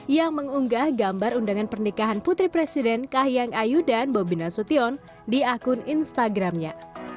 yang mengunggah gambar undangan pernikahan putri presiden kahyang ayudan bobina sution di akun instagramnya